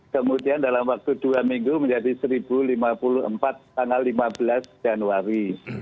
kemudian dalam waktu dua minggu menjadi seribu lima puluh empat tanggal lima belas januari